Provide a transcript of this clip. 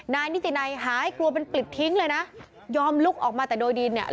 นายนิตินัยหายกลัวเป็นปลิดทิ้งเลยนะยอมลุกออกมาแต่โดยดีเนี่ย